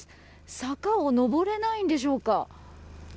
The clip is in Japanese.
坂を上れないのでしょうか。